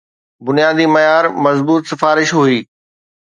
بنيادي معيار مضبوط سفارش هئي.